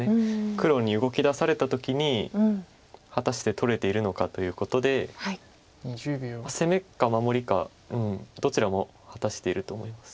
黒に動きだされた時に果たして取れているのかということで攻めか守りかどちらも果たしてると思います。